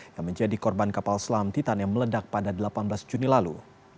yang menjadi korban kapal selam titan yang meledak pada delapan belas juni lalu